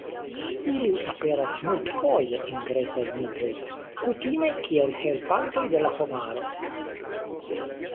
Ili aperas multfoje en grekaj mitoj, kutime kiel helpantoj de la homaro.